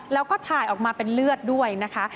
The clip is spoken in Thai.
แล้วก็ถ่ายออกมาเป็นเลือดด้วยนะคะ